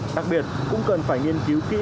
đặc biệt cũng cần phải nghiên cứu kỹ